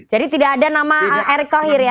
jadi tidak ada nama erick thohir ya